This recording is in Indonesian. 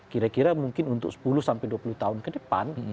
kira kira mungkin untuk sepuluh sampai dua puluh tahun ke depan